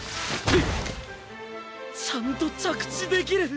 ちゃんと着地できる！